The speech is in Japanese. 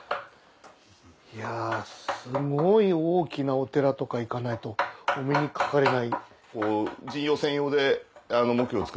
すごい大きなお寺とか行かないとお目にかかれない。